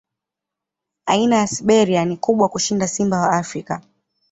Aina ya Siberia ni kubwa kushinda simba wa Afrika.